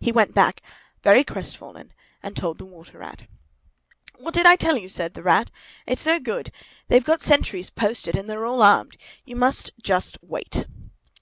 He went back, very crestfallen, and told the Water Rat. "What did I tell you?" said the Rat. "It's no good. They've got sentries posted, and they are all armed. You must just wait."